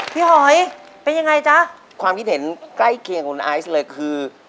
หอยเป็นยังไงจ๊ะความคิดเห็นใกล้เคียงคุณไอซ์เลยคือ